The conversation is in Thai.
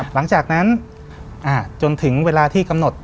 หลังจากนั้นจนถึงเวลาที่กำหนด